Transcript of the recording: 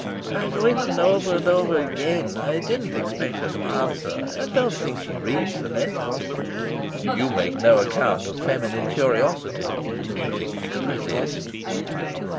"I've written over and over again. I didn't expect her to answer. I don't think she reads the letters." "You make no account of feminine curiosity. Do you think she could resist?"